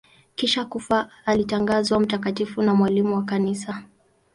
Kisha kufa alitangazwa mtakatifu na mwalimu wa Kanisa.